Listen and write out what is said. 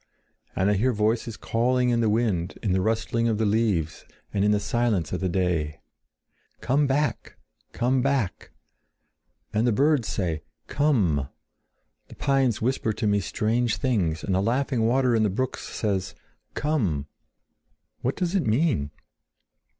And I hear voices calling in the wind, in the rustling of the leaves, and in the silence of the day, 'Come back! Come back!' And the birds say, 'Come!' The pines whisper to me strange things, and the laughing water in the brooks says 'Come!' What does it mean?"